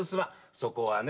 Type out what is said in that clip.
そこはね